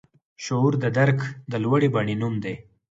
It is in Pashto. شعور د درک د لوړې بڼې نوم دی.